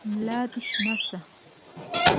ملا دي شنه شه !